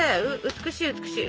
美しい美しい。